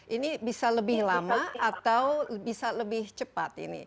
ini bisa lebih lama atau bisa lebih cepat ini